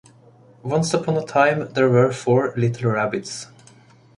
Once upon a time there were four little rabbits.